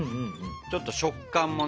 ちょっと食感もね。